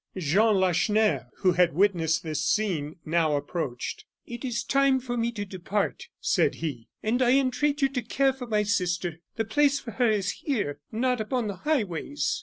Jean Lacheneur, who had witnessed this scene, now approached. "It is time for me to depart," said he, "and I entreat you to care for my sister, the place for her is here, not upon the highways."